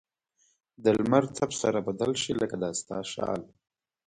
د لمر تپ سره بدل شي؛ لکه د ستا شال.